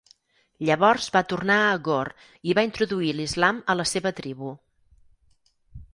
Llavors va tornar a Ghor i va introduir l'Islam a la seva tribu.